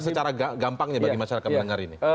secara gampangnya bagi masyarakat mendengar ini